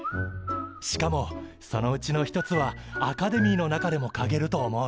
しかもそのうちの一つはアカデミーの中でもかげると思う。